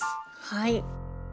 はい。